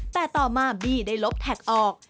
แต่ต่อมาบี้ได้ลบแท็กออก